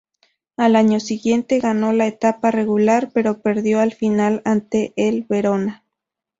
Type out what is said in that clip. Al año siguiente ganó la etapa regular, pero perdió la final ante el Verona.